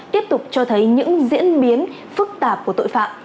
tiếp tục cho thấy những diễn biến phức tạp của tội phạm